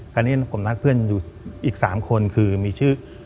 ตอนนี้ผมนัดเพื่อนอยู่อีก๓คนคือมีชื่อ